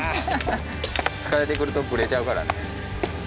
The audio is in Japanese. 疲れてくるとブレちゃうからね。